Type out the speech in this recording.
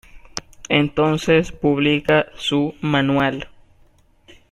Entonces publica su "Manual".